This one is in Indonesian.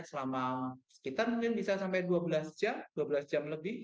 selama sekitar mungkin bisa sampai dua belas jam dua belas jam lebih